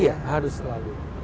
iya harus selalu